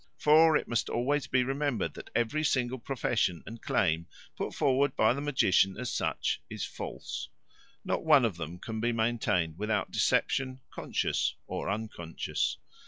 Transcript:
For it must always be remembered that every single profession and claim put forward by the magician as such is false; not one of them can be maintained without deception, conscious or unconscious.